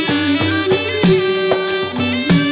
ด้านทรกสิ้น